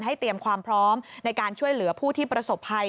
เตรียมความพร้อมในการช่วยเหลือผู้ที่ประสบภัย